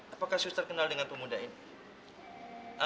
apakah suster kenal dengan pemuda ini